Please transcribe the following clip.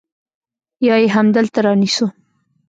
يا يې همدلته رانيسو.